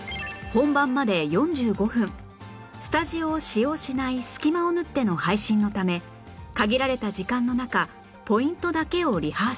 スタジオを使用しない隙間を縫っての配信のため限られた時間の中ポイントだけをリハーサル